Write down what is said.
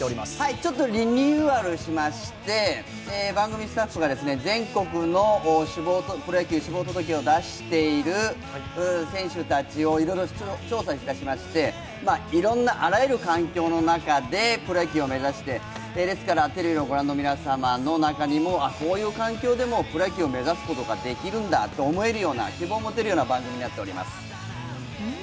ちょっとリニューアルしまして番組スタッフが全国のプロ野球志望届を出している選手たちをいろいろ調査いたしましていろんなあらゆる環境の中でプロ野球を目指しているテレビを御覧の皆様の中にも、こういう環境でもプロ野球を目指すことができるんだと思えるような希望を持てるような番組になっております。